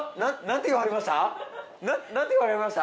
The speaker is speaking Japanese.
何て言われました？